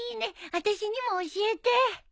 私にも教えて。